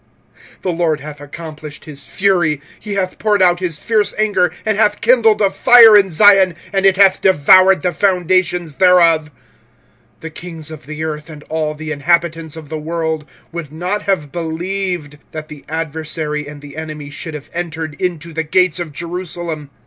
25:004:011 The LORD hath accomplished his fury; he hath poured out his fierce anger, and hath kindled a fire in Zion, and it hath devoured the foundations thereof. 25:004:012 The kings of the earth, and all the inhabitants of the world, would not have believed that the adversary and the enemy should have entered into the gates of Jerusalem.